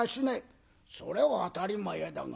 「それは当たり前だが。